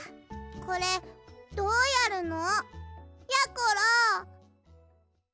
これどうやるの？やころ！